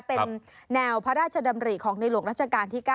เป็นแนวพระราชดำริของในหลวงราชการที่๙